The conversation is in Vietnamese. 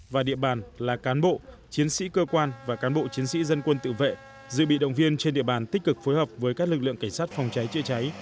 và địa bàn là cán bộ chiến sĩ cơ quan và cán bộ chiến sĩ dân quân tự vệ dự bị động viên trên địa bàn tích cực phối hợp với các lực lượng cảnh sát phòng cháy chữa cháy